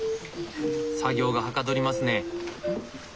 作業がはかどりますね。